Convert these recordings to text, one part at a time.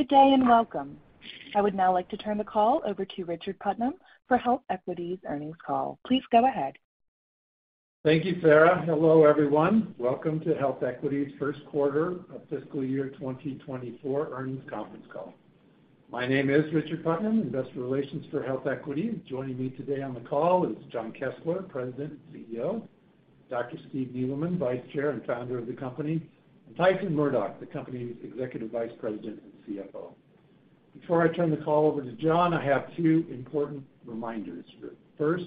Good day, welcome! I would now like to turn the call over to Richard Putnam for HealthEquity's earnings call. Please go ahead. Thank you, Sarah. Hello, everyone. Welcome to HealthEquity's first quarter of fiscal year 2024 earnings conference call. My name is Richard Putnam, Investor Relations for HealthEquity. Joining me today on the call is Jon Kessler, President and CEO, Dr. Steve Neeleman, Vice Chair and Founder of the company, and Tyson Murdock, the company's Executive Vice President and CFO. Before I turn the call over to Jon, I have two important reminders. First,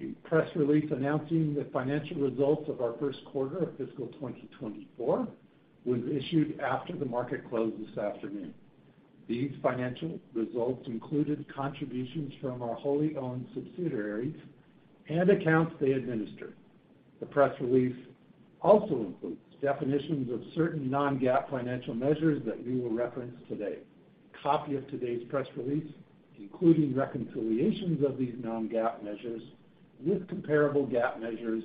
a press release announcing the financial results of our first quarter of fiscal 2024 was issued after the market closed this afternoon. These financial results included contributions from our wholly owned subsidiaries and accounts they administer. The press release also includes definitions of certain non-GAAP financial measures that we will reference today. A copy of today's press release, including reconciliations of these non-GAAP measures with comparable GAAP measures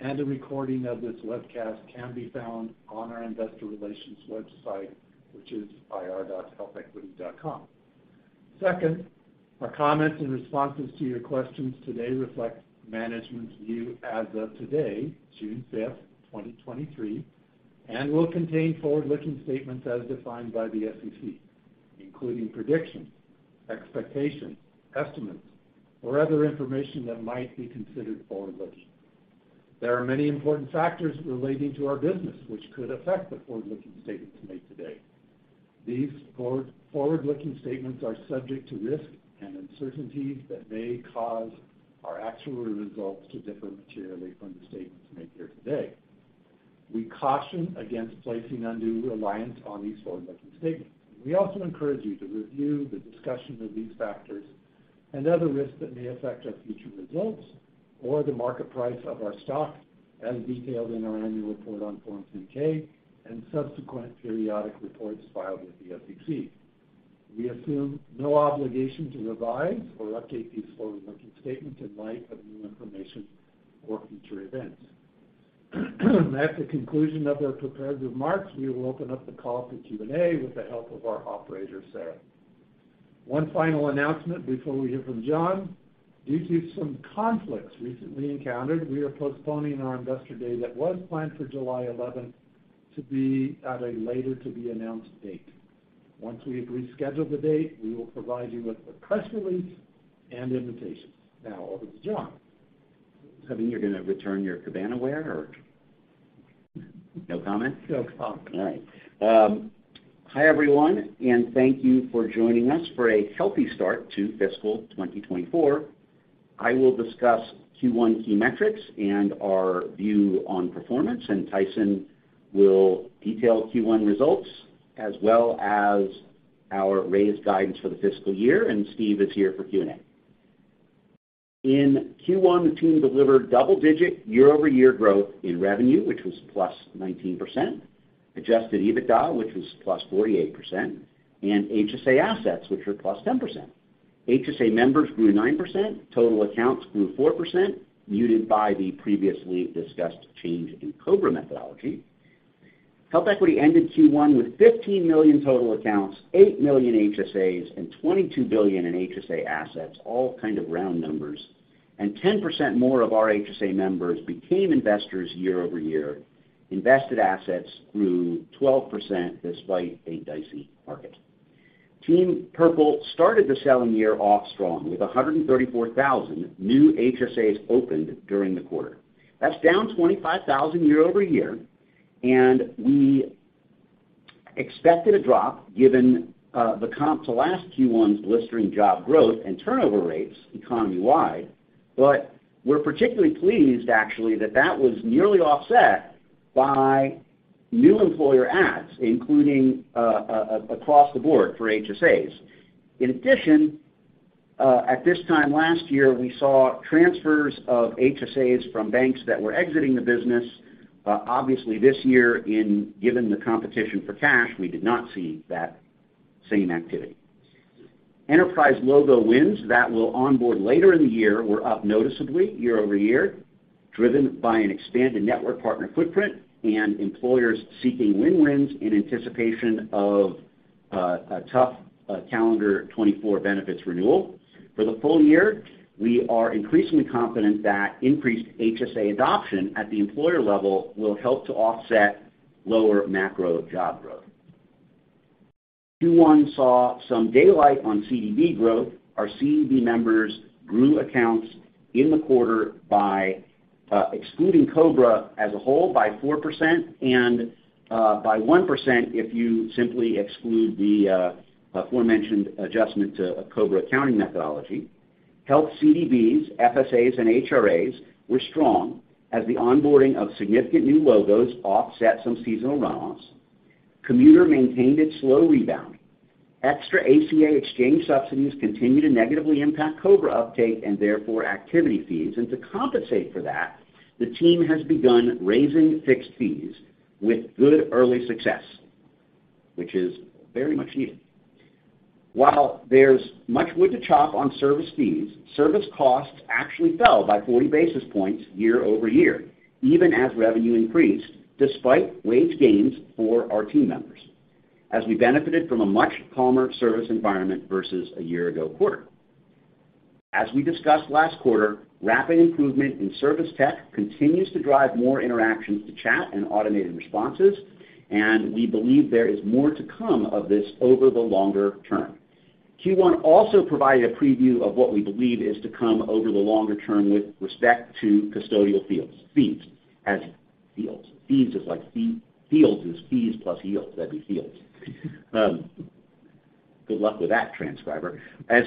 and a recording of this webcast, can be found on our investor relations website, which is ir.healthequity.com. Second, our comments and responses to your questions today reflect management's view as of today, June 5th, 2023, and will contain forward-looking statements as defined by the SEC, including predictions, expectations, estimates, or other information that might be considered forward-looking. There are many important factors relating to our business, which could affect the forward-looking statements made today. These forward-looking statements are subject to risks and uncertainties that may cause our actual results to differ materially from the statements made here today. We caution against placing undue reliance on these forward-looking statements. We also encourage you to review the discussion of these factors and other risks that may affect our future results or the market price of our stock, as detailed in our annual report on Form 10-K and subsequent periodic reports filed with the SEC. We assume no obligation to revise or update these forward-looking statements in light of new information or future events. At the conclusion of our prepared remarks, we will open up the call for Q&A with the help of our operator, Sarah. One final announcement before we hear from Jon. Due to some conflicts recently encountered, we are postponing our Investor Day that was planned for July 11th to be at a later to be announced date. Once we've rescheduled the date, we will provide you with a press release and invitations. Now, over to Jon. I mean, you're going to return your cabana wear or... No comment? No comment. All right. Hi, everyone, and thank you for joining us for a healthy start to fiscal 2024. I will discuss Q1 key metrics and our view on performance, and Tyson will detail Q1 results as well as our raised guidance for the fiscal year, and Steve is here for Q&A. In Q1, the team delivered double-digit year-over-year growth in revenue, which was +19%, Adjusted EBITDA, which was +48%, and HSA assets, which were +10%. HSA members grew 9%, total accounts grew 4%, muted by the previously discussed change in COBRA methodology. HealthEquity ended Q1 with 15 million total accounts, 8 million HSAs, and $22 billion in HSA assets, all kind of round numbers, and 10% more of our HSA members became investors year over year. Invested assets grew 12% despite a dicey market. Team Purple started the selling year off strong, with 134,000 new HSAs opened during the quarter. That's down 25,000 year-over-year. We expected a drop, given the comp to last Q1's blistering job growth and turnover rates economy-wide. We're particularly pleased, actually, that that was nearly offset by new employer adds, including across the board for HSAs. In addition, at this time last year, we saw transfers of HSAs from banks that were exiting the business. Obviously, this year, in given the competition for cash, we did not see that same activity. Enterprise logo wins that will onboard later in the year were up noticeably year-over-year, driven by an expanded network partner footprint and employers seeking win-wins in anticipation of a tough calendar 2024 benefits renewal. For the full year, we are increasingly confident that increased HSA adoption at the employer level will help to offset lower macro job growth. Q1 saw some daylight on CDB growth. Our CDB members grew accounts in the quarter by, excluding COBRA as a whole, by 4%, and by 1% if you simply exclude the aforementioned adjustment to a COBRA accounting methodology. Health CDBs, FSAs, and HRAs were strong as the onboarding of significant new logos offset some seasonal runoffs. Commuter maintained its slow rebound. Extra ACA exchange subsidies continued to negatively impact COBRA uptake and therefore, activity fees. To compensate for that, the team has begun raising fixed fees with good early success, which is very much needed. While there's much wood to chop on service fees, service costs actually fell by 40 basis points year-over-year, even as revenue increased, despite wage gains for our team members, as we benefited from a much calmer service environment versus a year ago quarter. We discussed last quarter, rapid improvement in service tech continues to drive more interactions to chat and automated responses. We believe there is more to come of this over the longer term. Q1 also provided a preview of what we believe is to come over the longer term with respect to custodial fylds, as fylds is fees plus yields, that'd be fylds. Good luck with that, transcriber.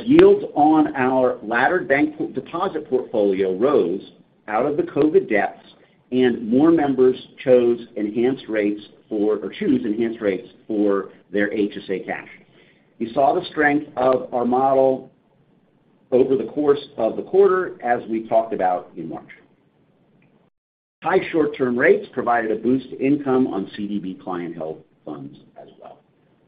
Yields on our laddered bank deposit portfolio rose out of the COVID depths, and more members choose Enhanced Rates for their HSA cash. We saw the strength of our model over the course of the quarter, as we talked about in March. High short-term rates provided a boost to income on CDB client health funds as well.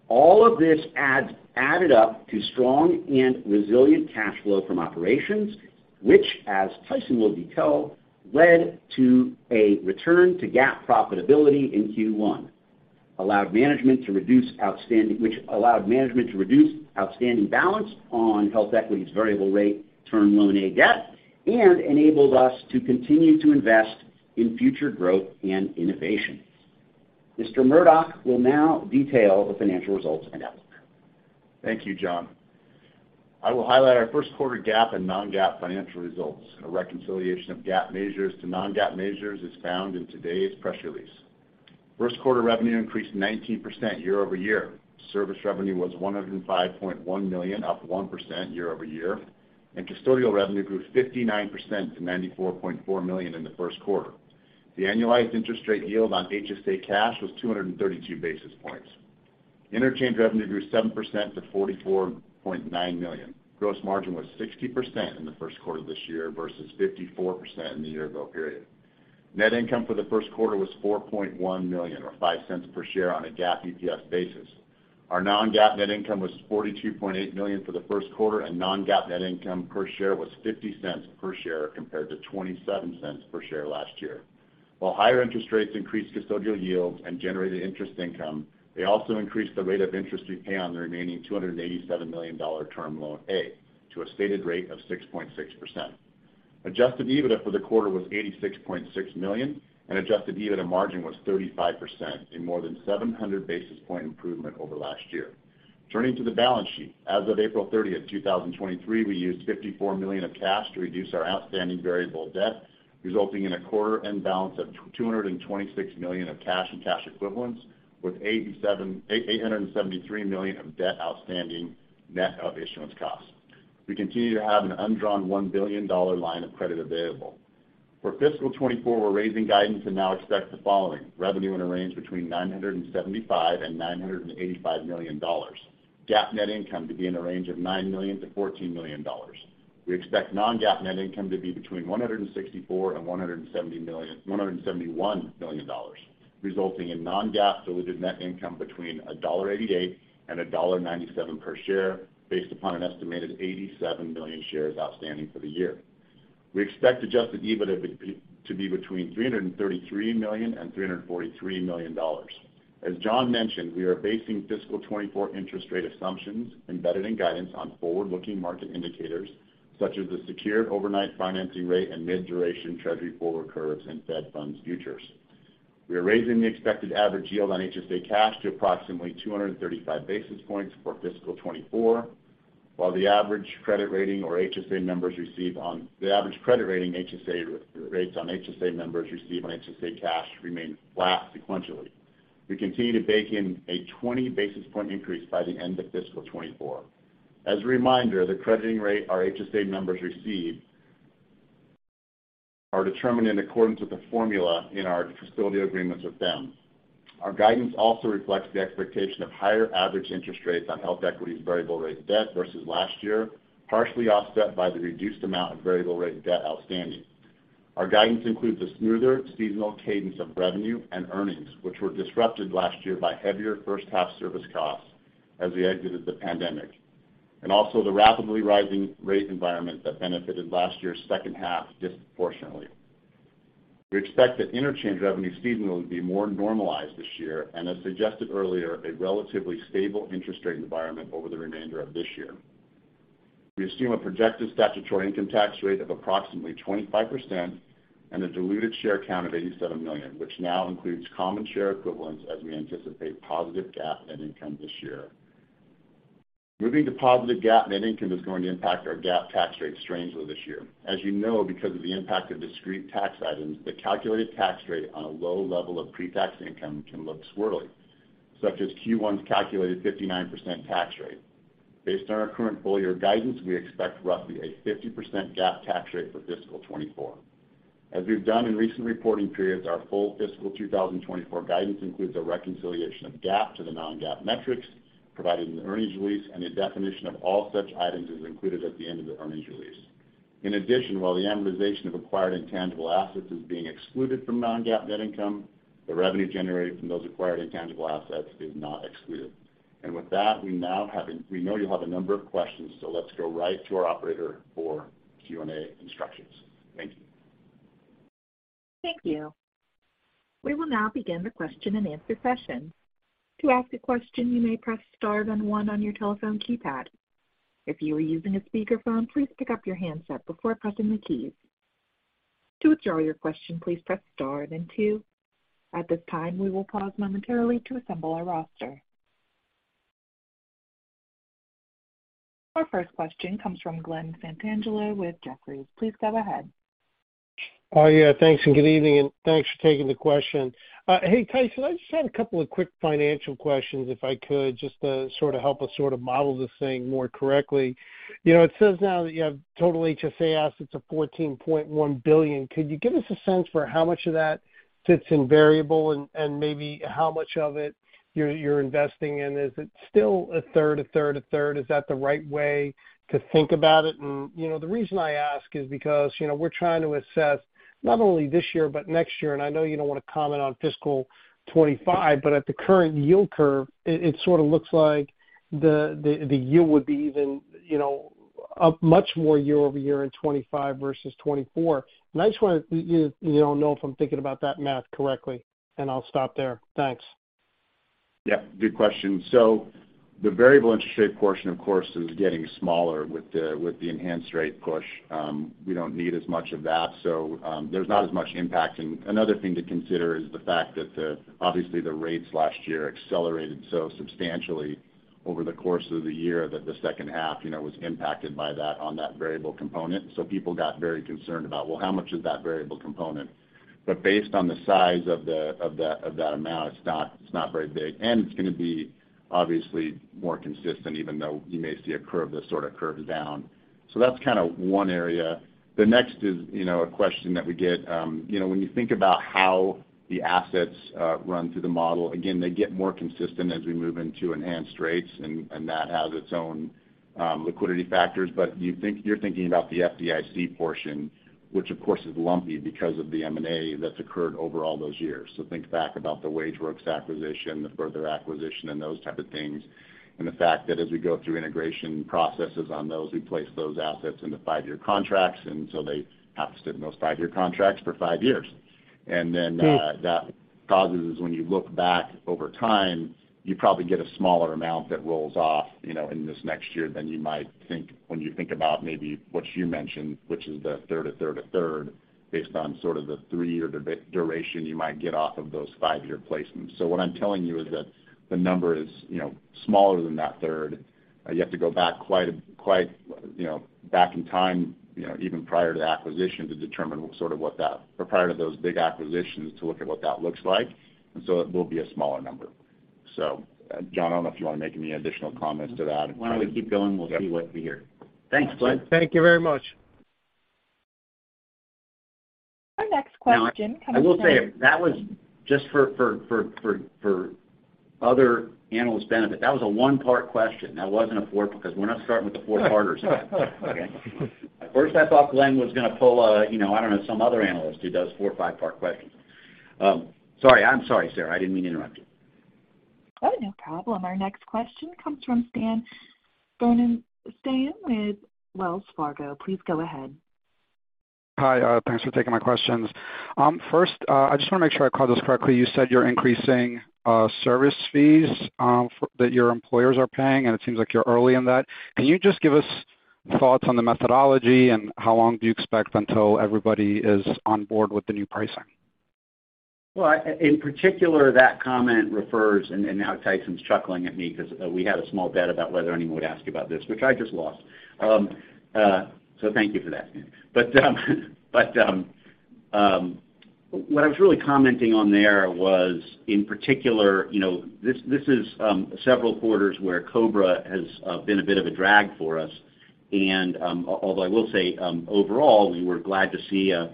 All of this added up to strong and resilient cash flow from operations, which, as Tyson will detail, led to a return to GAAP profitability in Q1, allowed management to reduce outstanding balance on HealthEquity's variable rate, term loan, and debt, and enabled us to continue to invest in future growth and innovation. Mr. Murdock will now detail the financial results and outlook. Thank you, Jon Kessler. I will highlight our first quarter GAAP and non-GAAP financial results. A reconciliation of GAAP measures to non-GAAP measures is found in today's press release. First quarter revenue increased 19% year-over-year. Service revenue was $105.1 million, up 1% year-over-year. Custodial revenue grew 59% to $94.4 million in the first quarter. The annualized interest rate yield on HSA cash was 232 basis points. Interchange revenue grew 7% to $44.9 million. Gross margin was 60% in the first quarter of this year versus 54% in the year-ago period. Net income for the first quarter was $4.1 million, or $0.05 per share on a GAAP EPS basis. Our non-GAAP net income was $42.8 million for the first quarter, and non-GAAP net income per share was $0.50 per share, compared to $0.27 per share last year. While higher interest rates increased custodial yields and generated interest income, they also increased the rate of interest we pay on the remaining $287 million Term Loan A, to a stated rate of 6.6%. Adjusted EBITDA for the quarter was $86.6 million, and Adjusted EBITDA margin was 35%, a more than 700 basis point improvement over last year. Turning to the balance sheet. As of April 30, 2023, we used $54 million of cash to reduce our outstanding variable debt, resulting in a quarter-end balance of $226 million of cash and cash equivalents, with $873 million of debt outstanding, net of issuance costs. We continue to have an undrawn $1 billion line of credit available. For fiscal 2024, we're raising guidance and now expect the following: revenue in a range between $975 million and $985 million. GAAP net income to be in a range of $9 million to $14 million. We expect non-GAAP net income to be between $164 billion and $171 billion, resulting in non-GAAP diluted net income between $1.88 and $1.97 per share, based upon an estimated 87 million shares outstanding for the year. We expect Adjusted EBITDA to be between $333 million and $343 million. As Jon mentioned, we are basing fiscal 2024 interest rate assumptions embedded in guidance on forward-looking market indicators, such as the Secured Overnight Financing Rate and mid-duration Treasury forward curves and Fed Fund futures. We are raising the expected average yield on HSA cash to approximately 235 basis points for fiscal 2024, while the average credit rating HSA rates on HSA members receive on HSA cash remain flat sequentially. We continue to bake in a 20 basis point increase by the end of fiscal 2024. As a reminder, the crediting rate our HSA members receive are determined in accordance with the formula in our custodial agreements with them. Our guidance also reflects the expectation of higher average interest rates on HealthEquity's variable rate debt versus last year, partially offset by the reduced amount of variable rate debt outstanding. Our guidance includes a smoother seasonal cadence of revenue and earnings, which were disrupted last year by heavier first half service costs as we exited the pandemic, and also the rapidly rising rate environment that benefited last year's second half disproportionately. We expect that interchange revenue seasonally will be more normalized this year, and as suggested earlier, a relatively stable interest rate environment over the remainder of this year. We assume a projected statutory income tax rate of approximately 25% and a diluted share count of 87 million, which now includes common share equivalents as we anticipate positive GAAP net income this year. Moving to positive GAAP net income is going to impact our GAAP tax rate strangely this year. As you know, because of the impact of discrete tax items, the calculated tax rate on a low level of pre-tax income can look squirrely, such as Q1's calculated 59% tax rate. Based on our current full year guidance, we expect roughly a 50% GAAP tax rate for fiscal 2024. As we've done in recent reporting periods, our full fiscal 2024 guidance includes a reconciliation of GAAP to the non-GAAP metrics provided in the earnings release, and a definition of all such items is included at the end of the earnings release. In addition, while the amortization of acquired intangible assets is being excluded from non-GAAP net income, the revenue generated from those acquired intangible assets is not excluded. With that, we know you'll have a number of questions, so let's go right to our operator for Q&A instructions. Thank you. Thank you. We will now begin the question-and-answer session. To ask a question, you may press * then one on your telephone keypad. If you are using a speakerphone, please pick up your handset before pressing the keys. To withdraw your question, please press * then two. At this time, we will pause momentarily to assemble our roster. Our first question comes from Glen Santangelo with Jefferies. Please go ahead. Oh, yeah, thanks. Good evening. Thanks for taking the question. Hey, Tyson Murdock, I just had a couple of quick financial questions, if I could, just to sort of help us sort of model this thing more correctly. You know, it says now that you have total HSA assets of $14.1 billion. Could you give us a sense for how much of that sits in variable and maybe how much of it you're investing in? Is it still a third, a third, a third? Is that the right way to think about it? You know, the reason I ask is because, you know, we're trying to assess not only this year, but next year, I know you don't want to comment on fiscal 2025, but at the current yield curve, it sort of looks like the yield would be even, you know, up much more year over year in 2025 versus 2024. I just want to, you know if I'm thinking about that math correctly, and I'll stop there. Thanks. Yeah, good question. The variable interest rate portion, of course, is getting smaller with the enhanced rate push. We don't need as much of that, so there's not as much impact. Another thing to consider is the fact that the, obviously, the rates last year accelerated so substantially over the course of the year, that the second half, you know, was impacted by that on that variable component. People got very concerned about, well, how much is that variable component? Based on the size of that amount, it's not very big, and it's going to be obviously more consistent, even though you may see a curve that sort of curves down. That's kind of one area. The next is, you know, a question that we get. You know, when you think about how the assets run through the model, again, they get more consistent as we move into Enhanced Rates, and that has its own liquidity factors. You're thinking about the FDIC portion, which, of course, is lumpy because of the M&A that's occurred over all those years. Think back about the WageWorks acquisition, the Further acquisition and those type of things. The fact that as we go through integration processes on those, we place those assets into five-year contracts, they have to sit in those five-year contracts for five years. Yeah. Then, that causes, when you look back over time, you probably get a smaller amount that rolls off, you know, in this next year than you might think when you think about maybe what you mentioned, which is the third, a third, a third, based on sort of the three-year duration you might get off of those five-year placements. What I'm telling you is that the number is, you know, smaller than that third. You have to go back quite a, you know, back in time, you know, even prior to acquisition, to determine sort of what that or prior to those big acquisitions to look at what that looks like. It will be a smaller number. Jon, I don't know if you want to make any additional comments to that? Why don't we keep going? Yeah. We'll see what we hear. Thanks, Glen. Thank you very much. Our next question comes from. I will say, that was just for other analysts' benefit, that was a 1-part question. That wasn't a 4, because we're not starting with the 4-parters. Okay? At first, I thought Glen was going to pull a, you know, I don't know, some other analyst who does 4- or 5-part questions. Sorry. I'm sorry, Sarah, I didn't mean to interrupt you. Oh, no problem. Our next question comes from Stan Berenshteyn, Stan with Wells Fargo. Please go ahead. Hi, thanks for taking my questions. First, I just want to make sure I caught this correctly. You said you're increasing service fees, that your employers are paying, and it seems like you're early in that. Can you just give us thoughts on the methodology, and how long do you expect until everybody is on board with the new pricing? Well, in particular, that comment refers. Now Tyson's chuckling at me because we had a small bet about whether anyone would ask about this, which I just lost. Thank you for that, Stan. What I was really commenting on there was, in particular, you know, this is several quarters where COBRA has been a bit of a drag for us. Although I will say, overall, we were glad to see a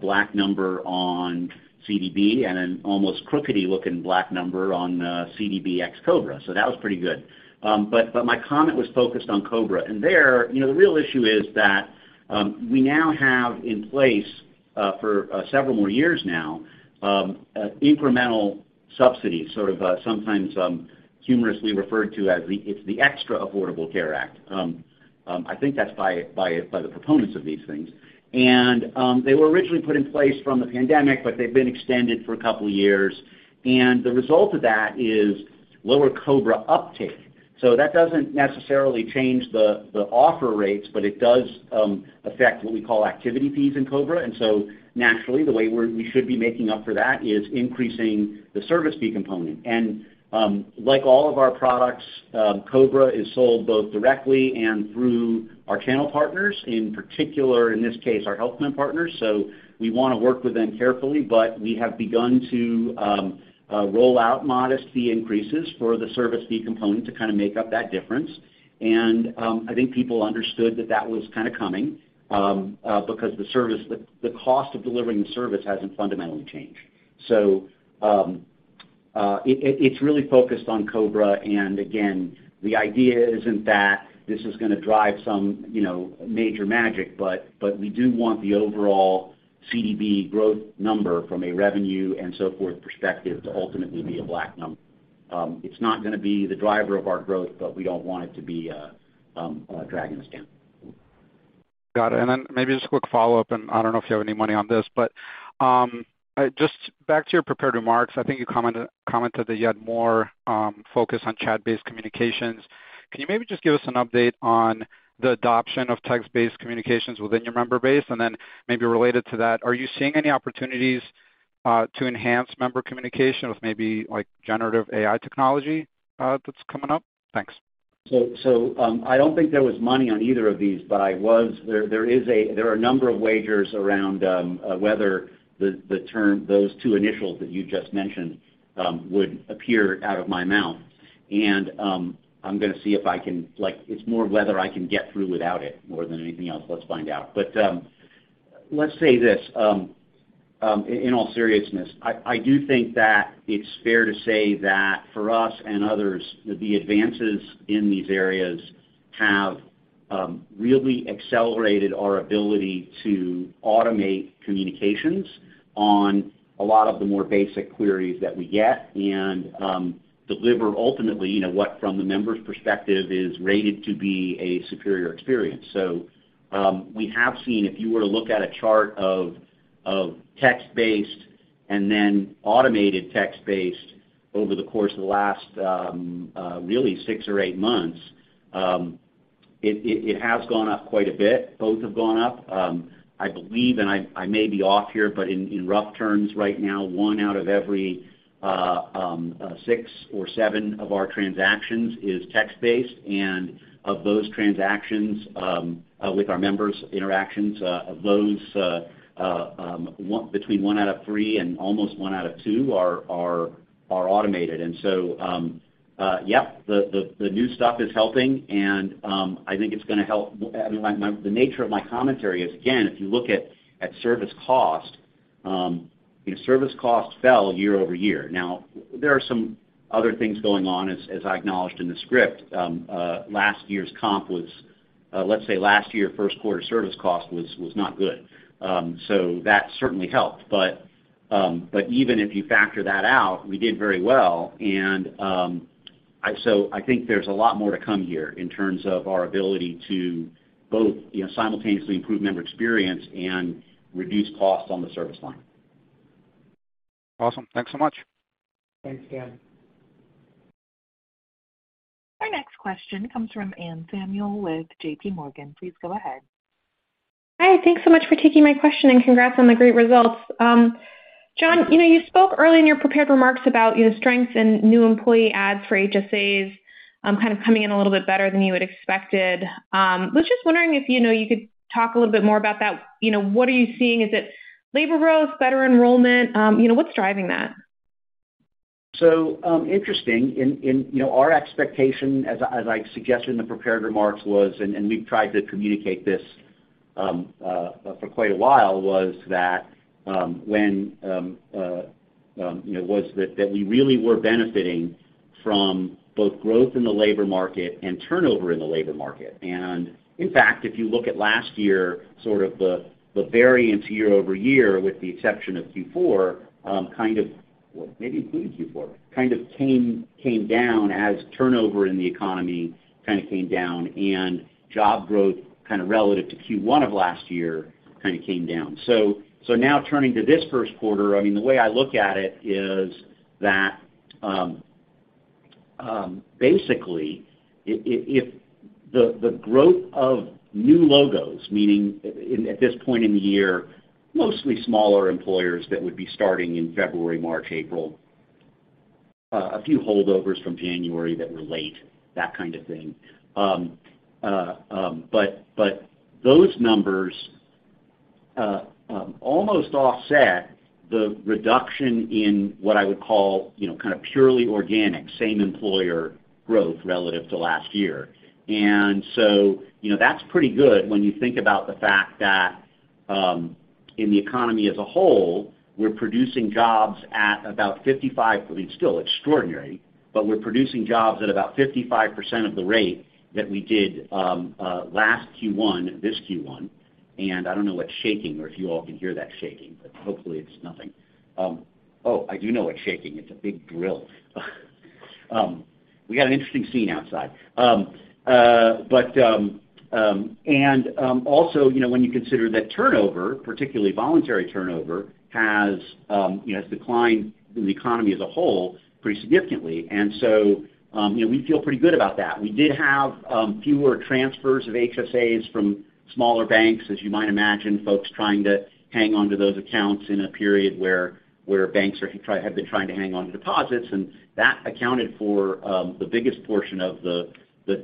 black number on CDB and an almost crookedy-looking black number on CDB ex-COBRA. That was pretty good. My comment was focused on COBRA, and there, you know, the real issue is that we now have in place for several more years now, incremental subsidies, sort of sometimes humorously referred to as the, it's the Extra Affordable Care Act. I think that's by the proponents of these things. They were originally put in place from the pandemic, but they've been extended for a couple of years, and the result of that is lower COBRA uptake. That doesn't necessarily change the offer rates, but it does affect what we call activity fees in COBRA. Naturally, the way we should be making up for that is increasing the service fee component. Like all of our products, COBRA is sold both directly and through our channel partners, in particular, in this case, our health plan partners. We want to work with them carefully, but we have begun to roll out modest fee increases for the service fee component to kind of make up that difference. I think people understood that that was kind of coming because the service, the cost of delivering the service hasn't fundamentally changed. It's really focused on COBRA. Again, the idea isn't that this is gonna drive some, you know, major magic, but we do want the overall CDB growth number from a revenue and so forth perspective to ultimately be a black number. It's not gonna be the driver of our growth, but we don't want it to be dragging us down. Got it. Then maybe just a quick follow-up, and I don't know if you have any money on this, but just back to your prepared remarks, I think you commented that you had more focus on chat-based communications. Can you maybe just give us an update on the adoption of text-based communications within your member base? Then maybe related to that, are you seeing any opportunities to enhance member communication with maybe, like, generative AI technology that's coming up? Thanks. So, I don't think there was money on either of these, but there is a, there are a number of wagers around, whether the term, those two initials that you just mentioned, would appear out of my mouth. I'm gonna see if I can Like, it's more whether I can get through without it more than anything else. Let's find out. Let's say this, in all seriousness, I do think that it's fair to say that for us and others, that the advances in these areas have really accelerated our ability to automate communications on a lot of the more basic queries that we get, and deliver ultimately, you know, what from the member's perspective, is rated to be a superior experience. We have seen, if you were to look at a chart of text-based and then automated text-based over the course of the last really 6 or 8 months, it has gone up quite a bit. Both have gone up. I believe, and I may be off here, but in rough terms right now, one out of every six or seven of our transactions is text-based, and of those transactions, with our members' interactions, of those, between one out of three and almost one out of two are automated. Yep, the new stuff is helping, and I think it's gonna help. I mean, my the nature of my commentary is, again, if you look at service cost, service costs fell year-over-year. There are some other things going on, as I acknowledged in the script. Last year's comp was, let's say, last year, first quarter service cost was not good. That certainly helped. Even if you factor that out, we did very well. I think there's a lot more to come here in terms of our ability to both, you know, simultaneously improve member experience and reduce costs on the service line. Awesome. Thanks so much. Thanks, Dan. Our next question comes from Anne Samuel with J.P. Morgan. Please go ahead. Hi, thanks so much for taking my question. Congrats on the great results. Jon, you know, you spoke early in your prepared remarks about, you know, strength in new employee ads for HSAs, kind of coming in a little bit better than you had expected. Was just wondering if, you know, you could talk a little bit more about that. You know, what are you seeing? Is it labor growth, better enrollment? You know, what's driving that? Interesting. In, you know, our expectation, as I suggested in the prepared remarks, was, and we've tried to communicate this for quite a while, was that, when, you know, we really were benefiting from both growth in the labor market and turnover in the labor market. In fact, if you look at last year, sort of the variance year-over-year, with the exception of Q4, kind of, well, maybe including Q4, kind of came down as turnover in the economy kind of came down, and job growth, kind of relative to Q1 of last year, kind of came down. Now turning to this first quarter, I mean, the way I look at it is that, basically, if the growth of new logos, meaning at this point in the year, mostly smaller employers that would be starting in February, March, April, a few holdovers from January that were late, that kind of thing. But those numbers almost offset the reduction in what I would call, you know, kind of purely organic, same employer growth relative to last year. You know, that's pretty good when you think about the fact that, in the economy as a whole, we're producing jobs at about 55, but it's still extraordinary, but we're producing jobs at about 55% of the rate that we did last Q1, this Q1. I don't know what's shaking or if you all can hear that shaking, but hopefully it's nothing. Oh, I do know what's shaking. It's a big drill. We got an interesting scene outside. Also, you know, when you consider that turnover, particularly voluntary turnover, has, you know, declined in the economy as a whole pretty significantly, you know, we feel pretty good about that. We did have fewer transfers of HSAs from smaller banks, as you might imagine, folks trying to hang on to those accounts in a period where banks have been trying to hang on to deposits, and that accounted for the biggest portion of the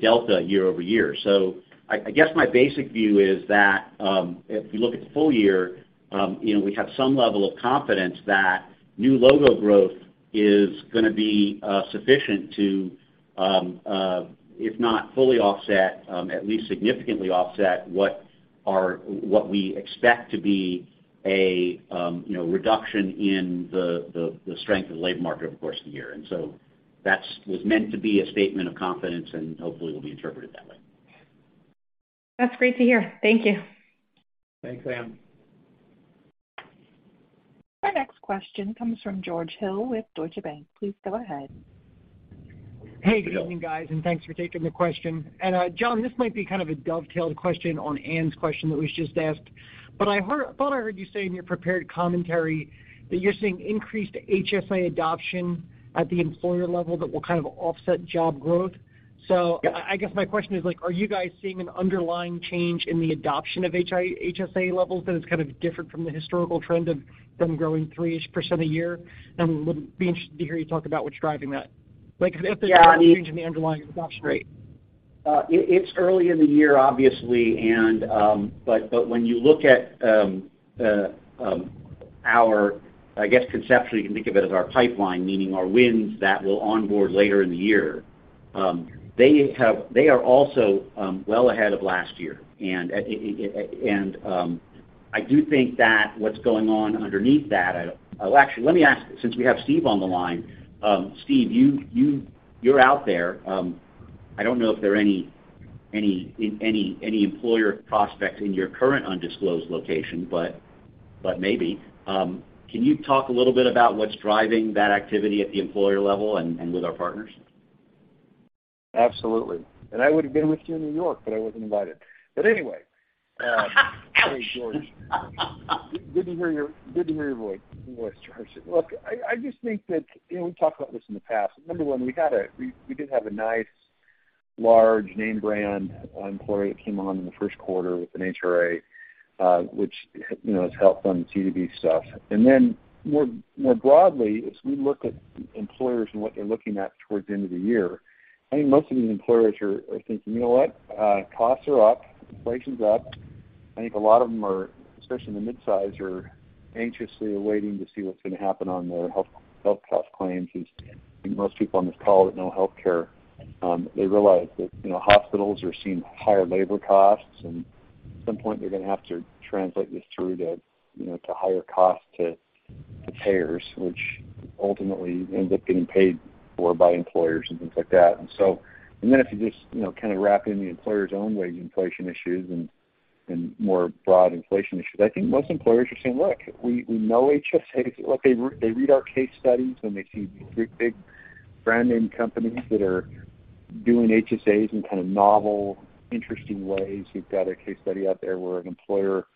delta year-over-year. I guess my basic view is that, if you look at the full year, you know, we have some level of confidence that new logo growth is gonna be sufficient if not fully offset, at least significantly offset what we expect to be a, you know, reduction in the strength of the labor market over the course of the year. That's was meant to be a statement of confidence, and hopefully will be interpreted that way. That's great to hear. Thank you. Thanks, Anne. Our next question comes from George Hill with Deutsche Bank. Please go ahead. Hey, good evening, guys, thanks for taking the question. Jon, this might be kind of a dovetailed question on Anne's question that was just asked, but I thought I heard you say in your prepared commentary that you're seeing increased HSA adoption at the employer level that will kind of offset job growth. I guess my question is like, are you guys seeing an underlying change in the adoption of HSA levels that is kind of different from the historical trend of them growing 3-ish% a year? Would be interested to hear you talk about what's driving that. Like, if there's any change in the underlying adoption rate. It's early in the year, obviously, but when you look at our, I guess, conceptually, you can think of it as our pipeline, meaning our wins that will onboard later in the year, they are also well ahead of last year. It, and, I do think that what's going on underneath that, well, actually, let me ask, since we have Steve on the line. Steve, you're out there. I don't know if there are any employer prospects in your current undisclosed location, but maybe. Can you talk a little bit about what's driving that activity at the employer level and with our partners? Absolutely. I would've been with you in New York, I wasn't invited. Anyway, hey, George, good to hear your voice, George. Look, I just think that, you know, we've talked about this in the past. Number one, we did have a nice, large name brand employer that came on in the first quarter with an HRA, which, you know, has helped fund the CDB stuff. Then more broadly, as we look at employers and what they're looking at towards the end of the year, I think most of these employers are thinking, you know what? Costs are up, inflation's up. I think a lot of them are, especially in the midsize, are anxiously awaiting to see what's going to happen on their health cost claims. I think most people on this call that know healthcare, they realize that, you know, hospitals are seeing higher labor costs, and at some point, they're going to have to translate this through to, you know, to higher costs to payers, which ultimately ends up getting paid for by employers and things like that. If you just, you know, kind of wrap in the employer's own wage inflation issues and more broad inflation issues, I think most employers are saying, "Look, we know HSA." Look, they read our case studies, and they see big brand name companies that are doing HSAs in kind of novel, interesting ways. We've got a case study out there where an employer,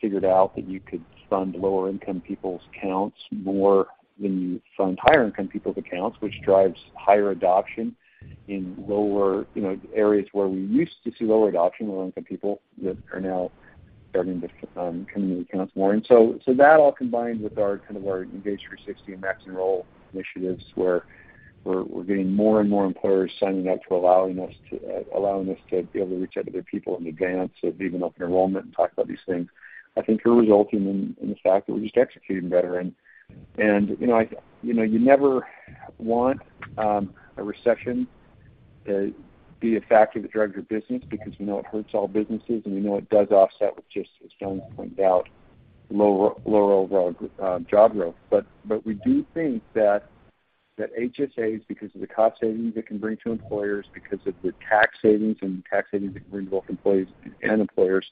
figured out that you could fund lower income people's accounts more than you fund higher income people's accounts, which drives higher adoption in lower, you know, areas where we used to see lower adoption, lower income people that are now starting to, come into the accounts more. That all combined with our, kind of our Engage360 and MaxEnroll initiatives, where we're getting more and more employers signing up to allowing us to, allowing us to be able to reach out to their people in advance of even open enrollment and talk about these things, I think are resulting in the fact that we're just executing better. You know, I, you know, you never want a recession to be a factor that drives your business because you know it hurts all businesses, and you know, it does offset, which just as Jon pointed out, lower overall job growth. We do think that HSAs, because of the cost savings it can bring to employers, because of the tax savings and tax savings it can bring to both employees and employers,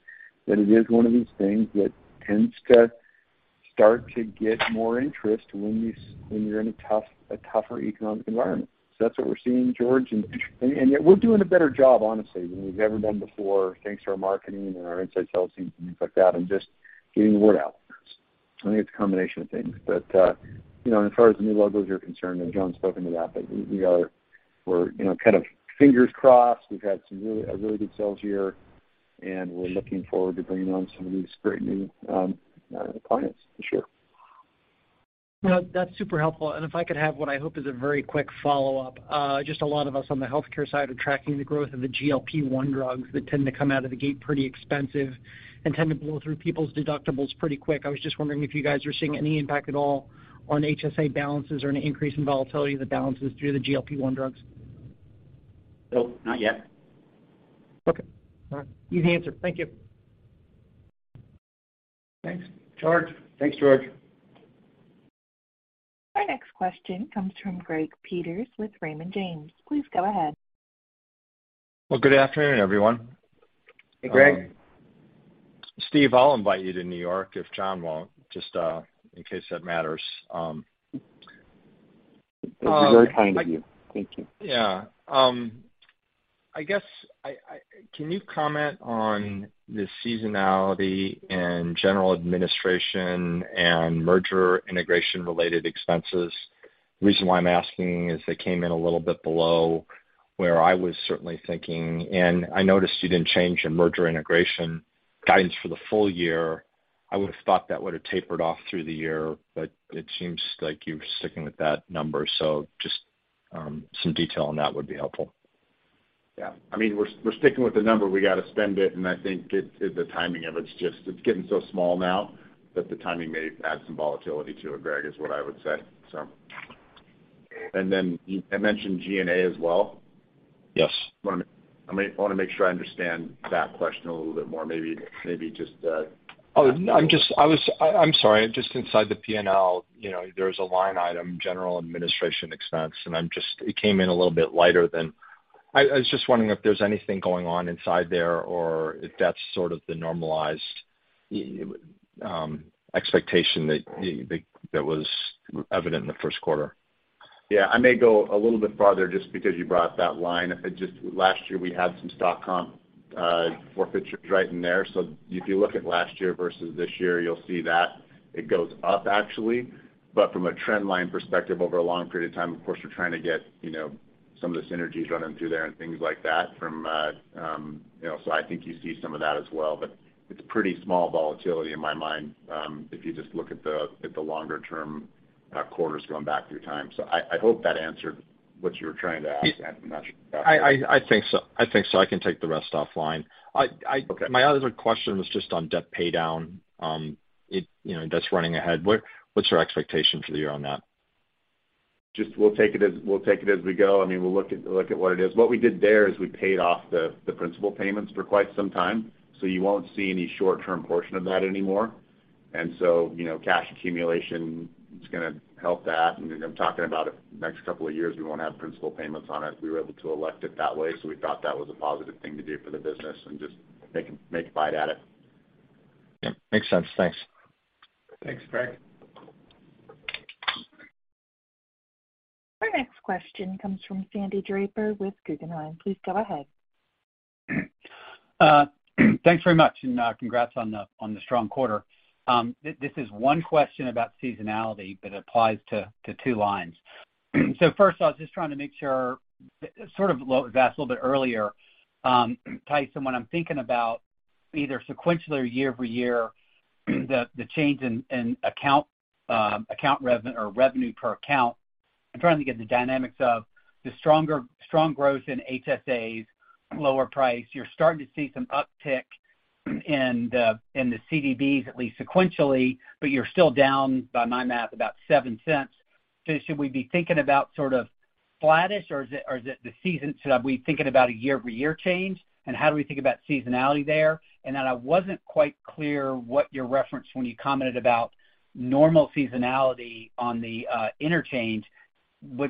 that it is one of these things that tends to start to get more interest when you're in a tough, a tougher economic environment. That's what we're seeing, George. Yet we're doing a better job, honestly, than we've ever done before, thanks to our marketing and our inside sales team and things like that, and just getting the word out. I think it's a combination of things. You know, as far as the new logos are concerned, Jon's spoken to that, we're, you know, kind of fingers crossed. We've had a really good sales year, we're looking forward to bringing on some of these great new clients this year. No, that's super helpful. If I could have what I hope is a very quick follow-up. Just a lot of us on the healthcare side are tracking the growth of the GLP-1 drugs that tend to come out of the gate pretty expensive and tend to blow through people's deductibles pretty quick. I was just wondering if you guys are seeing any impact at all on HSA balances or an increase in volatility of the balances through the GLP-1 drugs? Nope, not yet. Okay. All right. Easy answer. Thank you. Thanks, George. Our next question comes from Greg Peters with Raymond James. Please go ahead. Well, good afternoon, everyone. Hey, Greg. Steve, I'll invite you to New York if Jon won't, just, in case that matters. That's very kind of you. Thank you. Yeah. Can you comment on the seasonality and general administration and merger integration related expenses? The reason why I'm asking is they came in a little bit below where I was certainly thinking, and I noticed you didn't change your merger integration guidance for the full year. I would've thought that would've tapered off through the year, but it seems like you're sticking with that number. Just some detail on that would be helpful. Yeah. I mean, we're sticking with the number. We got to spend it, and I think the timing of it's just, it's getting so small now that the timing may add some volatility to it, Greg, is what I would say, so. Then I mentioned G&A as well? Yes. I want to make sure I understand that question a little bit more. Maybe just. Oh, no, I'm sorry. Just inside the PNL, you know, there's a line item, General Administration Expense, it came in a little bit lighter than. I was just wondering if there's anything going on inside there or if that's sort of the normalized expectation that was evident in the first quarter? Yeah, I may go a little bit farther just because you brought up that line. It just, last year, we had some stock comp forfeitures right in there. If you look at last year versus this year, you'll see that it goes up, actually. From a trend line perspective, over a long period of time, of course, we're trying to get, you know, some of the synergies running through there and things like that from. You know, I think you see some of that as well, it's pretty small volatility in my mind, if you just look at the longer term quarters going back through time. I hope that answered what you were trying to ask, and I'm not sure. I think so. I think so. I can take the rest offline. Okay. My other question was just on debt paydown. You know, that's running ahead. What's your expectation for the year on that? We'll take it as we go. I mean, we'll look at what it is. What we did there is we paid off the principal payments for quite some time, so you won't see any short-term portion of that anymore. You know, cash accumulation is going to help that. I'm talking about the next couple of years, we won't have principal payments on it. We were able to elect it that way, so we thought that was a positive thing to do for the business and just make a bite at it. Yep, makes sense. Thanks. Thanks, Greg. Our next question comes from Sandy Draper with Guggenheim. Please go ahead. Thanks very much, and congrats on the strong quarter. This is one question about seasonality that applies to two lines. First off, just trying to make sure, sort of what we've asked a little bit earlier, Tyson, when I'm thinking about either sequentially or year-over-year, the change in account revenue or revenue per account. I'm trying to get the dynamics of the stronger strong growth in HSAs, lower price. You're starting to see some uptick in the CDBs, at least sequentially, but you're still down, by my math, about $0.07. Should we be thinking about sort of flattish, or is it the season should we be thinking about a year-over-year change? How do we think about seasonality there? I wasn't quite clear what your reference when you commented about normal seasonality on the interchange. With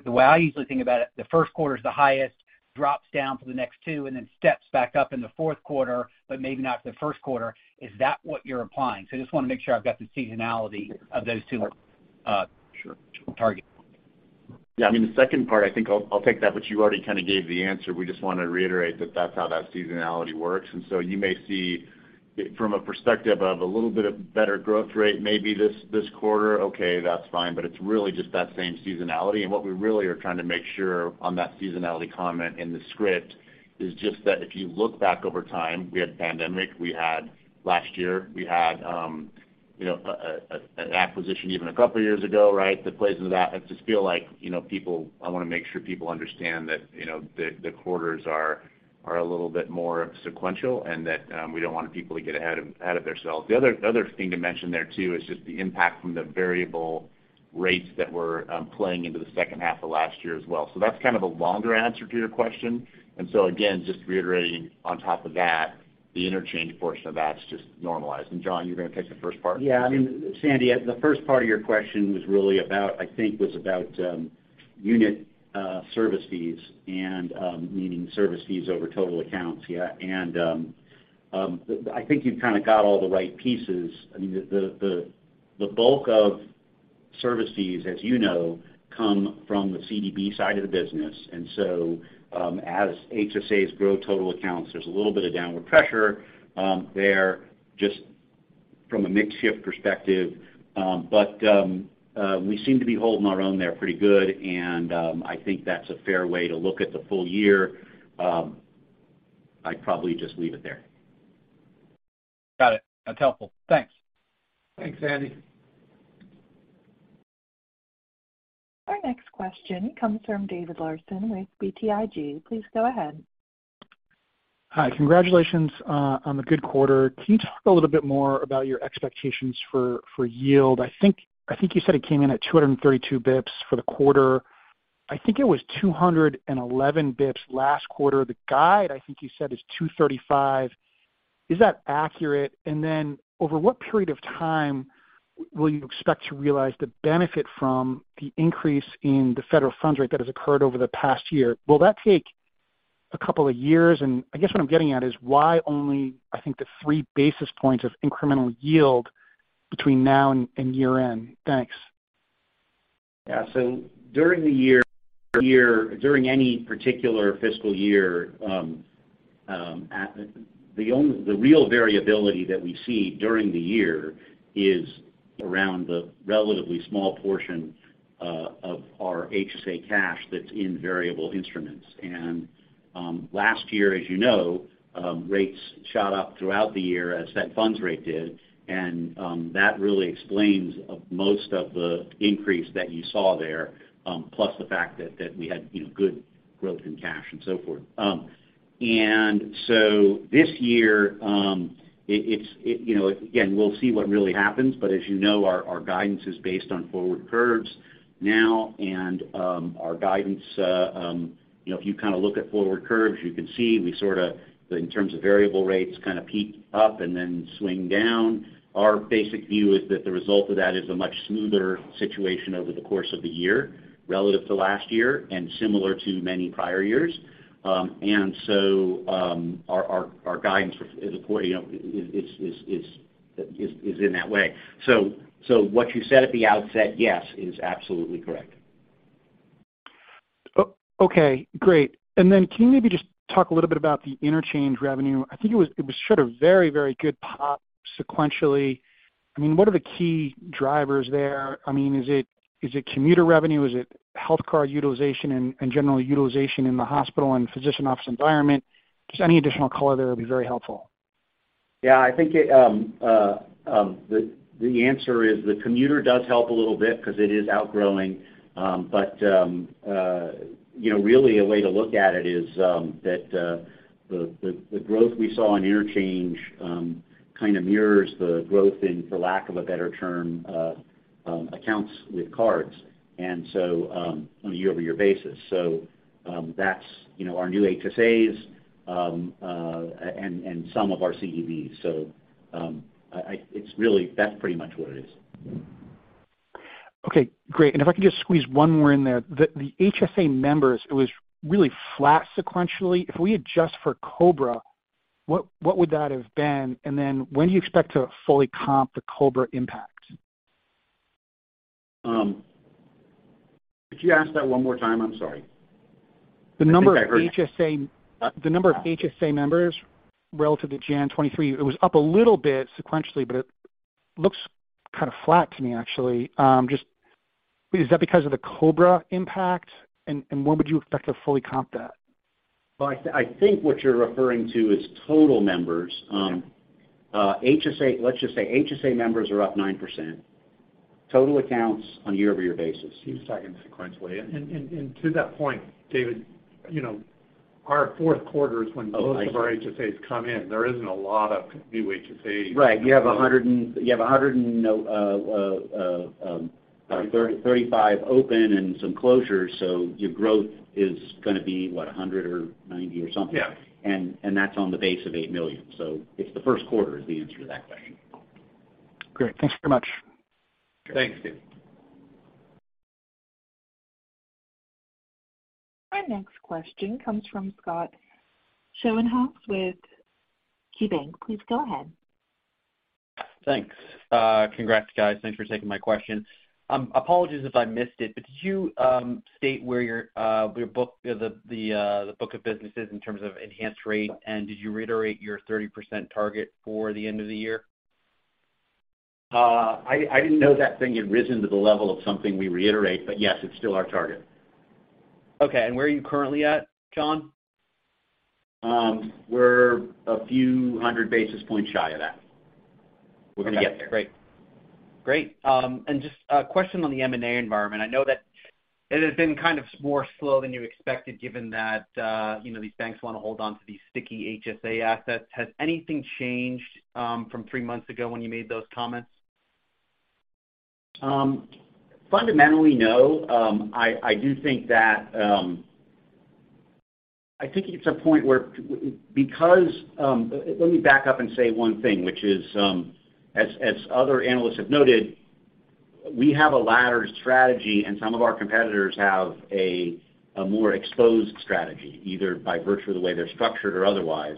the way I usually think about it, the first quarter is the highest, drops down for the next two, and then steps back up in the fourth quarter, but maybe not the first quarter. Is that what you're implying? I just want to make sure I've got the seasonality of those two targets. Yeah, I mean, the second part, I think I'll take that, but you already kind of gave the answer. We just want to reiterate that that's how that seasonality works. You may see it from a perspective of a little bit of better growth rate, maybe this quarter. Okay, that's fine, but it's really just that same seasonality. What we really are trying to make sure on that seasonality comment in the script is just that if you look back over time, we had pandemic, we had last year, we had, you know, an acquisition even a couple of years ago, right? That plays into that. I just feel like, you know, people, I want to make sure people understand that, you know, the quarters are a little bit more sequential and that we don't want people to get ahead of themselves. The other thing to mention there, too, is just the impact from the variable rates that were playing into the second half of last year as well. That's kind of a longer answer to your question. Again, just reiterating on top of that, the interchange portion of that's just normalized. Jon, you're going to take the first part? Yeah, I mean, Sandy, the first part of your question was really about unit, service fees and, meaning service fees over total accounts. Yeah, I think you've kind of got all the right pieces. I mean, the bulk of service fees, as you know, come from the CDB side of the business. As HSAs grow total accounts, there's a little bit of downward pressure, there just from a mix shift perspective. We seem to be holding our own there pretty good, and, I think that's a fair way to look at the full year. I'd probably just leave it there. Got it. That's helpful. Thanks. Thanks, Sandy. Our next question comes from David Larsen with BTIG. Please go ahead. Hi. Congratulations on the good quarter. Can you talk a little bit more about your expectations for yield? I think you said it came in at 232 bips for the quarter. I think it was 211 bips last quarter. The guide, I think you said, is 235. Is that accurate? Over what period of time will you expect to realize the benefit from the increase in the federal funds rate that has occurred over the past year? Will that take a couple of years? I guess what I'm getting at is why only, I think, the 3 basis points of incremental yield between now and year-end? Thanks. Yeah. During the year, during any particular fiscal year, the real variability that we see during the year is around the relatively small portion of our HSA cash that's in variable instruments. Last year, as you know, rates shot up throughout the year as that funds rate did, that really explains of most of the increase that you saw there, plus the fact that we had, you know, good... relative in cash and so forth. This year, it's, you know, again, we'll see what really happens, but as you know, our guidance is based on forward curves now, and our guidance, you know, if you kind of look at forward curves, you can see we sort of, in terms of variable rates, kind of peak up and then swing down. Our basic view is that the result of that is a much smoother situation over the course of the year, relative to last year and similar to many prior years. Our guidance for, as a quarter, you know, is in that way. What you said at the outset, yes, is absolutely correct. Okay, great. Can you maybe just talk a little bit about the interchange revenue? I think it was sort of very good pop sequentially. I mean, what are the key drivers there? I mean, is it commuter revenue? Is it health card utilization and general utilization in the hospital and physician office environment? Just any additional color there would be very helpful. Yeah, I think it, the answer is the commuter does help a little bit because it is outgrowing. You know, really a way to look at it is that the growth we saw in interchange kind of mirrors the growth in, for lack of a better term, accounts with cards, and so, on a year-over-year basis. That's, you know, our new HSAs, and some of our CDBs. It's really, that's pretty much what it is. Okay, great. If I could just squeeze one more in there. The HSA members, it was really flat sequentially. If we adjust for COBRA, what would that have been? Then when do you expect to fully comp the COBRA impact? Could you ask that one more time? I'm sorry. I think I heard it. The number of HSA members relative to Jan 2023, it was up a little bit sequentially, but it looks kind of flat to me, actually. Just, is that because of the COBRA impact? When would you expect to fully comp that? Well, I think what you're referring to is total members. HSA, let's just say HSA members are up 9%. Total accounts on a year-over-year basis. He's talking sequentially. To that point, David, you know, our fourth quarter is when most of our HSAs come in. There isn't a lot of new HSAs. Right. You have 135 open and some closures, your growth is gonna be, what, 100 or 90 or something? Yeah. That's on the base of $8 million. It's the first quarter is the answer to that question. Great. Thank you very much. Thanks, David. Our next question comes from Scott Schoenhaus with KeyBanc. Please go ahead. Thanks. Congrats, guys. Thanks for taking my question. Apologies if I missed it, but did you state where your your book, the book of business is in terms of Enhanced Rate? Did you reiterate your 30% target for the end of the year? I didn't know that thing had risen to the level of something we reiterate, but yes, it's still our target. Okay. Where are you currently at, Sean? We're a few hundred basis points shy of that. We're gonna get there. Great. Great. Just a question on the M&A environment. I know that it has been kind of more slow than you expected, given that, you know, these banks want to hold on to these sticky HSA assets. Has anything changed, from 3 months ago when you made those comments? Fundamentally, no. I do think that, I think it's a point where because. Let me back up and say one thing, which is, as other analysts have noted, we have a laddered strategy, and some of our competitors have a more exposed strategy, either by virtue of the way they're structured or otherwise.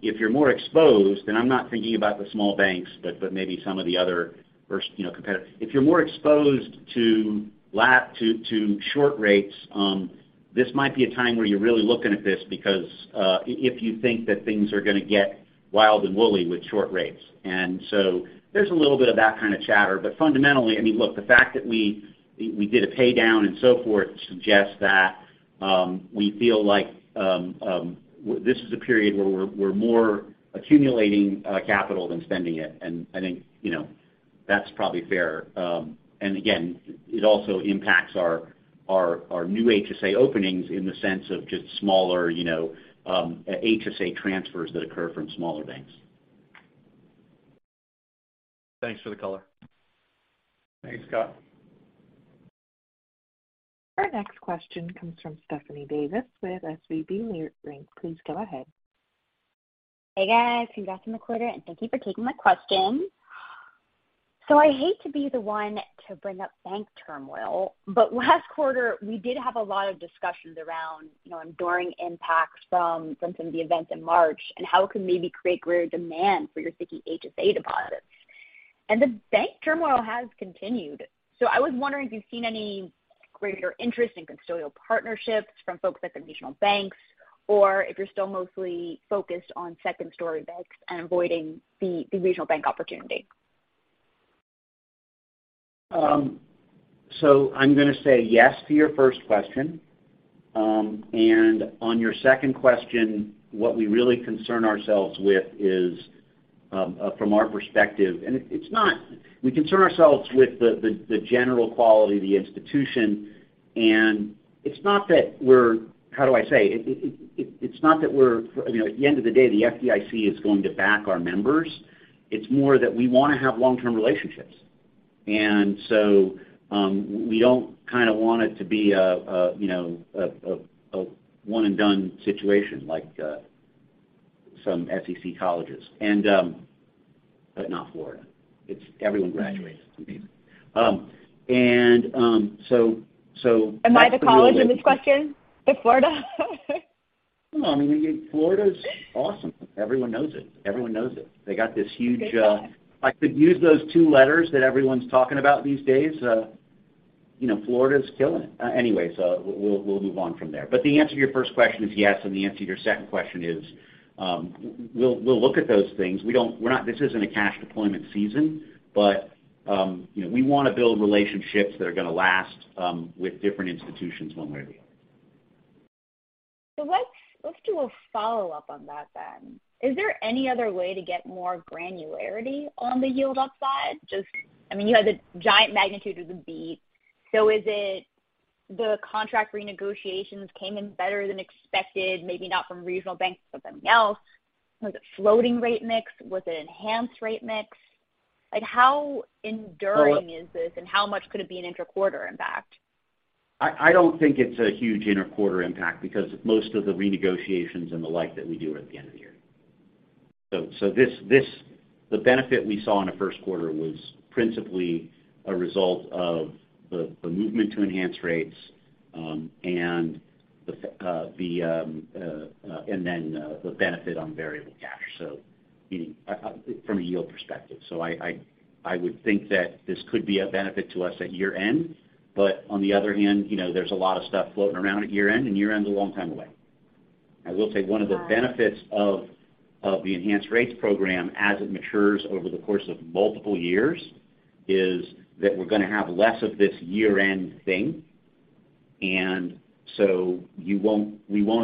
If you're more exposed, and I'm not thinking about the small banks, but maybe some of the other first, you know, competitors. If you're more exposed to short rates, this might be a time where you're really looking at this because, if you think that things are going to get wild and wooly with short rates. There's a little bit of that kind of chatter. Fundamentally, I mean, look, the fact that we did a pay down and so forth suggests that we feel like this is a period where we're more accumulating capital than spending it. I think, you know, that's probably fair. Again, it also impacts our new HSA openings in the sense of just smaller, you know, HSA transfers that occur from smaller banks. Thanks for the color. Thanks, Scott. Our next question comes from Stephanie Davis with SVB Leerink. Please go ahead. Hey, guys. Congrats on the quarter. Thank you for taking my question. I hate to be the one to bring up bank turmoil, but last quarter, we did have a lot of discussions around, you know, enduring impacts from some of the events in March and how it could maybe create greater demand for your sticky HSA deposits. The bank turmoil has continued. I was wondering if you've seen any greater interest in custodial partnerships from folks at the regional banks, or if you're still mostly focused on second-story banks and avoiding the regional bank opportunity? I'm going to say yes to your first question. On your second question, what we really concern ourselves with from our perspective, we concern ourselves with the general quality of the institution, and it's not that we're, I mean, at the end of the day, the FDIC is going to back our members. It's more that we wanna have long-term relationships. We don't kind of want it to be a, you know, a one-and-done situation like some FSA accounts, but not Florida. It's everyone graduates, amazing. Am I the college in this question, of Florida? No, I mean, Florida's awesome. Everyone knows it. Everyone knows it. They got this huge, I could use those two letters that everyone's talking about these days. You know, Florida's killing it. We'll move on from there. The answer to your first question is yes, and the answer to your second question is, we'll look at those things. This isn't a cash deployment season, but, you know, we want to build relationships that are gonna last, with different institutions one way or the other. Let's do a follow-up on that then. Is there any other way to get more granularity on the yield upside? Just, I mean, you had the giant magnitude of the beat. Is it the contract renegotiations came in better than expected, maybe not from regional banks, but something else? Was it floating rate mix? Was it Enhanced Rates mix? Like, how enduring is this, and how much could it be an interquarter impact? I don't think it's a huge interquarter impact because most of the renegotiations and the like that we do are at the end of the year. The benefit we saw in the 1st quarter was principally a result of the movement to Enhanced Rates, and the benefit on variable cash. Meaning, from a yield perspective. I would think that this could be a benefit to us at year-end, but on the other hand, you know, there's a lot of stuff floating around at year-end, and year-end's a long time away. I will say one of the benefits of the Enhanced Rates program as it matures over the course of multiple years, is that we're gonna have less of this year-end thing. We won't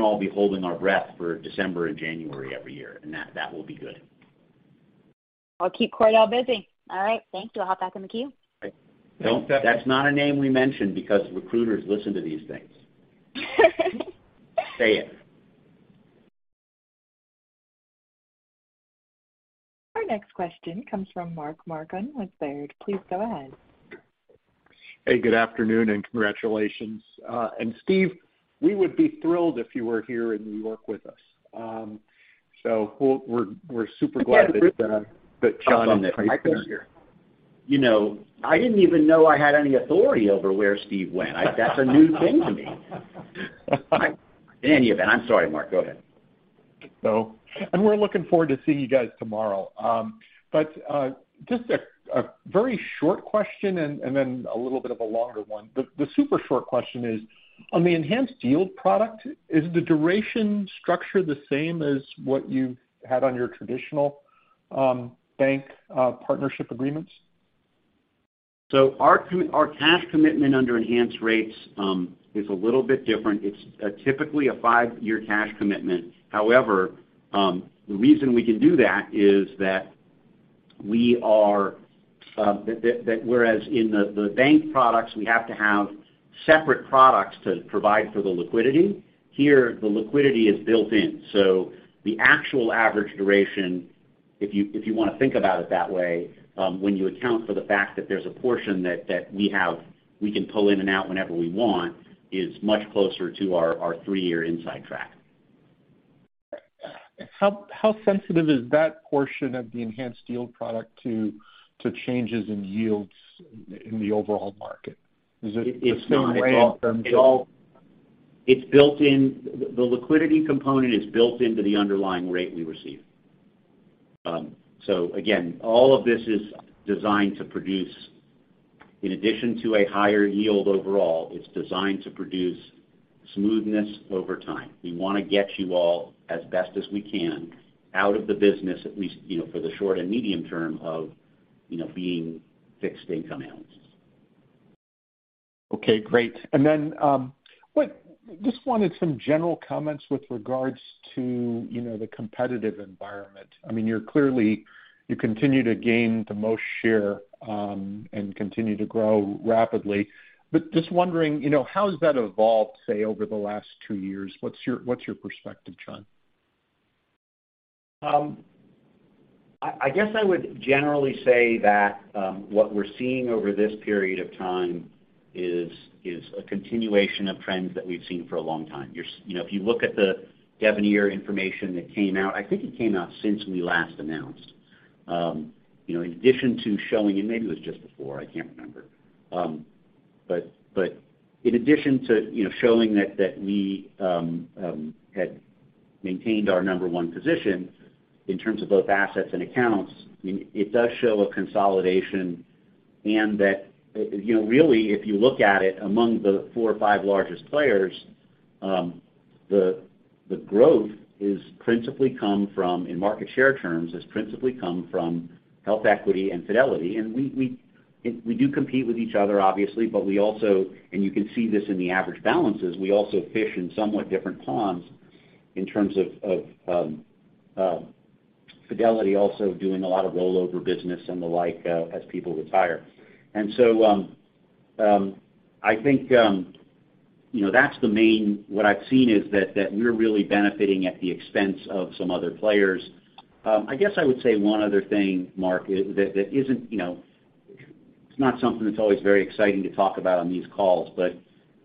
all be holding our breath for December and January every year, and that will be good. I'll keep Cordell busy. All right, thank you. I'll hop back in the queue. Bye. Don't, that's not a name we mentioned because recruiters listen to these things. Say it. Our next question comes from Mark Marcon with Baird. Please go ahead. Hey, good afternoon, and congratulations. Steve, we would be thrilled if you were here in New York with us. We're super glad that Jon and Mike are here. You know, I didn't even know I had any authority over where Steve went. That's a new thing to me. In any event, I'm sorry, Mark, go ahead. We're looking forward to seeing you guys tomorrow. Just a very short question and then a little bit of a longer one. The super short question is, on the enhanced yield product, is the duration structure the same as what you had on your traditional, bank, partnership agreements? Our cash commitment under Enhanced Rates is a little bit different. It's typically a 5-year cash commitment. However, the reason we can do that is that we are that whereas in the bank products, we have to have separate products to provide for the liquidity. Here, the liquidity is built in. The actual average duration, if you want to think about it that way, when you account for the fact that there's a portion that we have, we can pull in and out whenever we want, is much closer to our 3-year inside track. How sensitive is that portion of the Enhanced yield product to changes in yields in the overall market? It's not. The liquidity component is built into the underlying rate we receive. Again, all of this is designed to produce. In addition to a higher yield overall, it's designed to produce smoothness over time. We wanna get you all, as best as we can, out of the business, at least, you know, for the short and medium term of, you know, being fixed income outs. Okay, great. Just wanted some general comments with regards to, you know, the competitive environment. I mean, you're clearly, you continue to gain the most share and continue to grow rapidly. Just wondering, you know, how has that evolved, say, over the last two years? What's your, what's your perspective, Jon? I guess I would generally say that what we're seeing over this period of time is a continuation of trends that we've seen for a long time. You know, if you look at the Devenir information that came out, I think it came out since we last announced. You know, in addition to showing, and maybe it was just before, I can't remember. In addition to, you know, showing that we had maintained our number 1 position in terms of both assets and accounts, I mean, it does show a consolidation and that, you know, really, if you look at it among the 4 or 5 largest players, the growth is principally come from, in market share terms, has principally come from HealthEquity and Fidelity. We do compete with each other, obviously, but we also, and you can see this in the average balances, we also fish in somewhat different ponds in terms of, Fidelity also doing a lot of rollover business and the like, as people retire. I think, you know, that's the main, what I've seen is that we're really benefiting at the expense of some other players. I guess I would say one other thing, Mark, that isn't, you know, it's not something that's always very exciting to talk about on these calls, but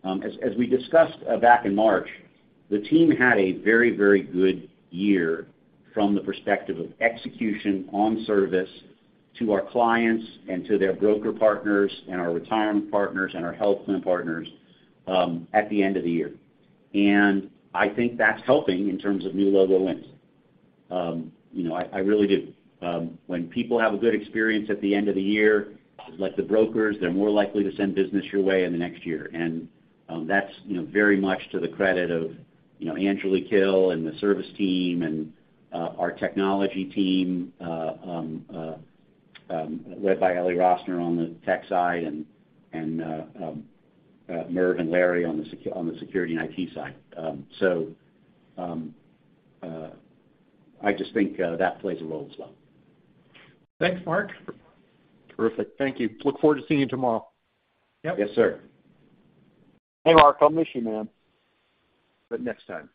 as we discussed, back in March, the team had a very, very good year from the perspective of execution on service to our clients and to their broker partners and our retirement partners and our health plan partners, at the end of the year. I think that's helping in terms of new logo wins. You know, I really do. When people have a good experience at the end of the year, like the brokers, they're more likely to send business your way in the next year. That's, you know, very much to the credit of, you know, Angela Keele and the service team and our technology team led by Eli Rosner on the tech side, and Merv and Larry on the security and IT side. I just think that plays a role as well. Thanks, Mark. Terrific. Thank you. Look forward to seeing you tomorrow. Yep. Yes, sir. Hey, Mark, I'll miss you, man, but next time.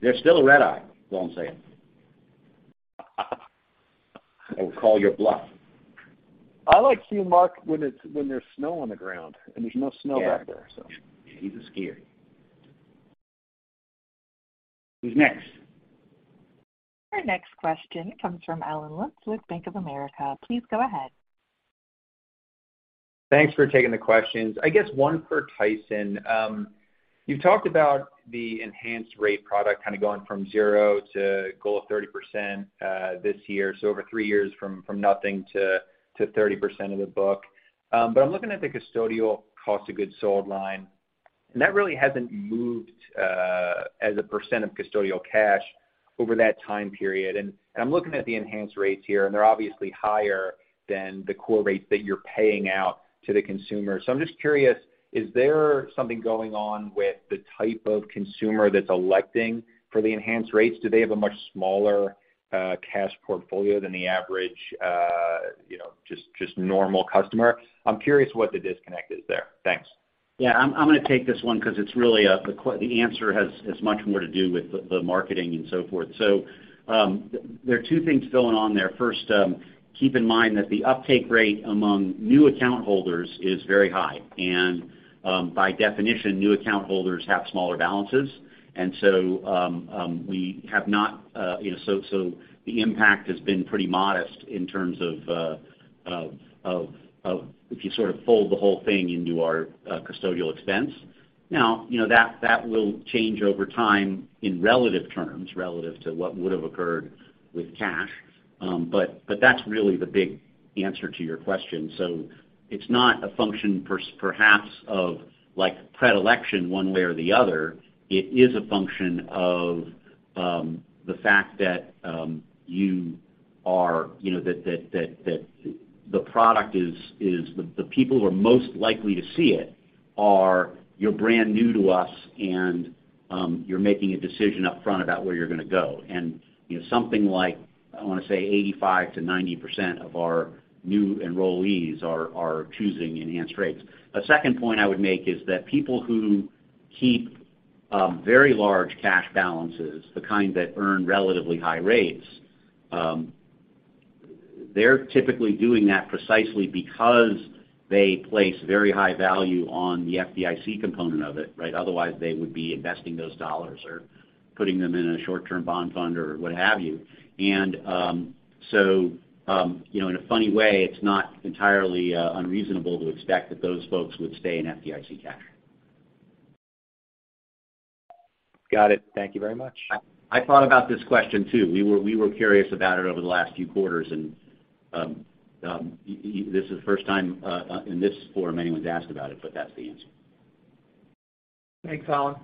There's still a red eye, that's all I'm saying. I will call your bluff. I like seeing Mark when there's snow on the ground, and there's no snow back there, so. He's a skier. Who's next? Our next question comes from Allen Lutz with Bank of America. Please go ahead. Thanks for taking the questions. I guess one for Tyson. You've talked about the Enhanced Rates product kind of going from zero to goal of 30% this year, so over three years, from nothing to 30% of the book. I'm looking at the custodial cost of goods sold line, and that really hasn't moved as a percent of custodial cash over that time period. I'm looking at the Enhanced Rates here, and they're obviously higher than the core rates that you're paying out to the consumer. I'm just curious, is there something going on with the type of consumer that's electing for the Enhanced Rates? Do they have a much smaller cash portfolio than the average, you know, just normal customer? I'm curious what the disconnect is there. Thanks. Yeah, I'm gonna take this one 'cause it's really the answer has much more to do with the marketing and so forth. There are two things going on there. First, keep in mind that the uptake rate among new account holders is very high, and by definition, new account holders have smaller balances. We have not, you know, so the impact has been pretty modest in terms of of if you sort of fold the whole thing into our custodial expense. Now, you know, that will change over time in relative terms, relative to what would have occurred with cash, but that's really the big answer to your question. It's not a function perhaps of like, predilection one way or the other. It is a function of, the fact that, you are, you know, that the product is the people who are most likely to see it are, you're brand new to us, and, you're making a decision up front about where you're gonna go. You know, something like, I wanna say 85%-90% of our new enrollees are choosing Enhanced Rates. A second point I would make is that people who keep very large cash balances, the kind that earn relatively high rates, they're typically doing that precisely because they place very high value on the FDIC component of it, right? Otherwise, they would be investing those dollars or putting them in a short-term bond fund or what have you. You know, in a funny way, it's not entirely unreasonable to expect that those folks would stay in FDIC cash. Got it. Thank you very much. I thought about this question, too. We were curious about it over the last few quarters, and this is the first time in this forum anyone's asked about it, but that's the answer. Thanks, Allen.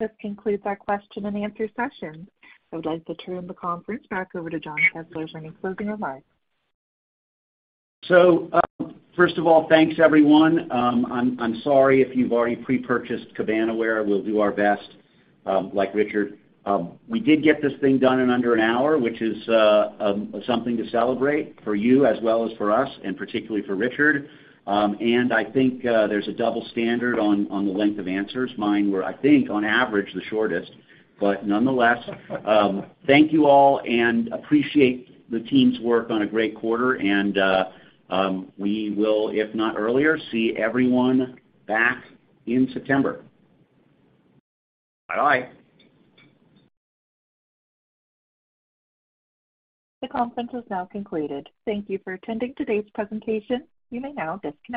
This concludes our question and answer session. I would like to turn the conference back over to Jon Kessler for any closing remarks. First of all, thanks, everyone. I'm sorry if you've already pre-purchased cabana wear. We'll do our best, like Richard. We did get this thing done in under an hour, which is something to celebrate for you as well as for us, and particularly for Richard. I think there's a double standard on the length of answers. Mine were, I think, on average, the shortest, but nonetheless, thank you all, appreciate the team's work on a great quarter. We will, if not earlier, see everyone back in September. Bye-bye. The conference is now concluded. Thank you for attending today's presentation. You may now disconnect.